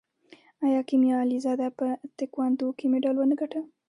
آیا کیمیا علیزاده په تکواندو کې مډال ونه ګټه؟